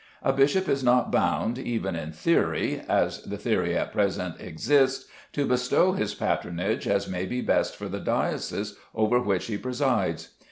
A bishop is not bound, even in theory as the theory at present exists, to bestow his patronage as may be best for the diocese over which he presides.